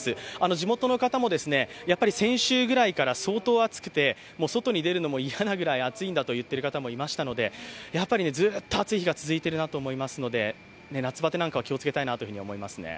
地元の方も先週くらいから相当暑くて、外に出るのも嫌なぐらい暑いんだと言っている方もいましたので、やっぱりずっと暑い日が続いているなと思いますので夏バテなんか気をつけたいなと思いますね。